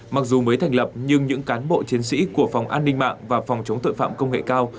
mặc dù mới thành lập nhưng những cán bộ chiến sĩ của phòng an ninh mạng và phòng chống tội phạm công nghệ cao